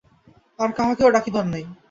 আর কাহাকেও ডাকিবার নাই ।